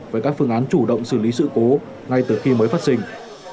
với các phương án chủ động xử lý sự cố ngay từ khi mới phát sinh